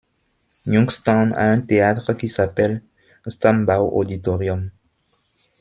Youngstown a un théâtre qui s'appelle Stambaugh Auditorium.